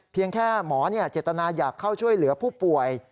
แค่หมอเจตนาอยากเข้าช่วยเหลือผู้ป่วย